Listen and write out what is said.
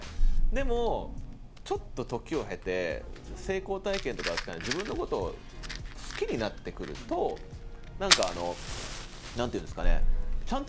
でもちょっと時を経て成功体験とかなんですかね自分のことを好きになってくると何か何ていうんですかね